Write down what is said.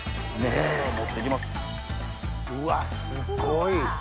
うわっすっごい。